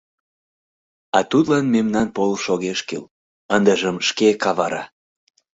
— А тудлан мемнан полыш огеш кӱл, ындыжым шке кавара.